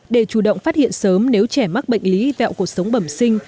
để chủ động phát hiện sớm nếu trẻ mắc bệnh lý vẹo cuộc sống bẩm sinh